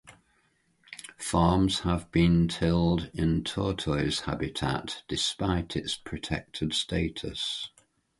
Farms have been tilled in tortoise habitat, despite its protected status.